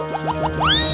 ini juga deh